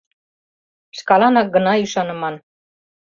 Шкаланак гына ӱшаныман.